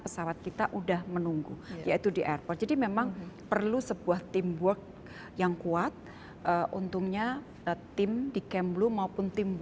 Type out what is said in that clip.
sementara ya ini